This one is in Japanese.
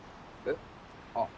えっ？